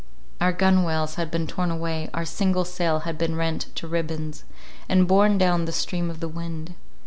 Our gunwales had been torn away, our single sail had been rent to ribbands, and borne down the stream of the wind.